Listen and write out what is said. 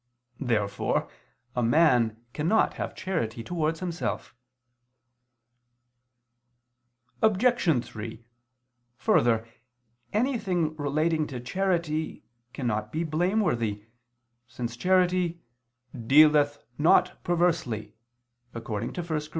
Therefore a man cannot have charity towards himself. Obj. 3: Further, anything relating to charity cannot be blameworthy, since charity "dealeth not perversely" (1 Cor.